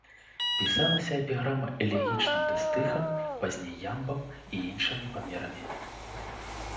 Пісалася эпіграма элегічным дыстыхам, пазней ямбам і іншымі памерамі.